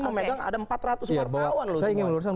memegang ada empat ratus wartawan loh